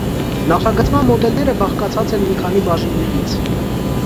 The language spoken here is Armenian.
Նախագծման մոդելները բաղկացած են մի քանի բաժիններից։